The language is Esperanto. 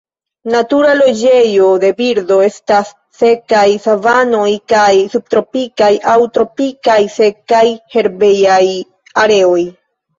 Natura loĝejo de birdo estas sekaj savanoj kaj subtropikaj aŭ tropikaj sekaj herbejaj areoj.